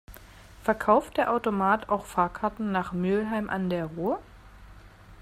Verkauft der Automat auch Fahrkarten nach Mülheim an der Ruhr?